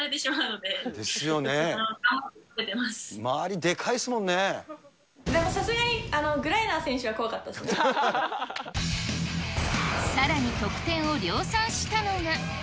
でもさすがにグライナー選手さらに、得点を量産したのが。